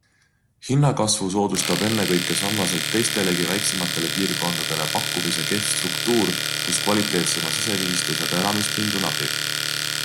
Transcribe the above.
Hinnakasvu soodustab ennekõike sarnaselt teistelegi väiksematele piirkondadele pakkumise kehv struktuur, kus kvaliteetsema siseviimistlusega elamispindu napib.